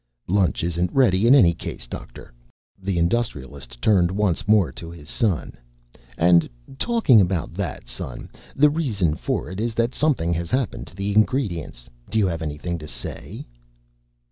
"Lunch isn't ready in any case, Doctor." The Industrialist turned once more to his son. "And talking about that, son, the reason for it is that something happened to the ingredients. Do you have anything to say?"